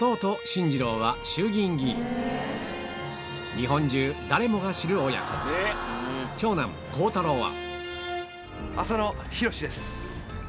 日本中誰もが知る親子長男孝太郎は浅野比呂志です。